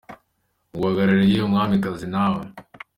nk’uhagarariye Umwamikazi nawe.